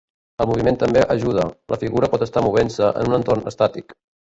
El moviment també ajuda; la figura pot estar movent-se en un entorn estàtic.